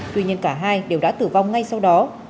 tuy nhiên cả hai đều đã tử vong ngay sau đó